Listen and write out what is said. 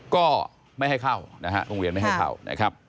ก็ไม่ให้เข้านะฮะโรงเรียนไม่ให้เข้านะครับ